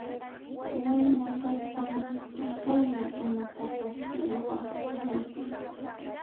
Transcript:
Wayna kaspan usqaylla imatapas ruwaq kani.